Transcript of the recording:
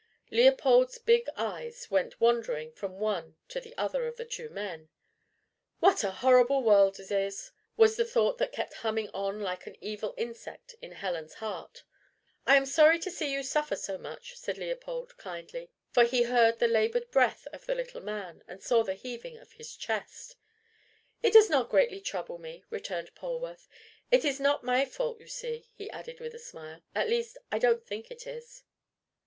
Leopold's big eyes went wandering from one to the other of the two men. "What a horrible world it is!" was the thought that kept humming on like an evil insect in Helen's heart. "I am sorry to see you suffer so much," said Leopold kindly, for he heard the laboured breath of the little man, and saw the heaving of his chest. "It does not greatly trouble me," returned Polwarth. "It is not my fault, you see," he added with a smile; "at least I don't think it is."